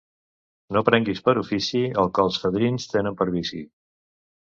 No prenguis per ofici el que els fadrins tenen per vici.